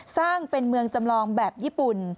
สร้างเป็นเมืองจำลองแบบญี่ปุ่น